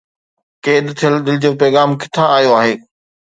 قيد ٿيل دل جو پيغام ڪٿان آيو آهي؟